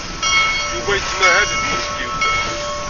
Yuba yettmahal deg tmeṣkiwt.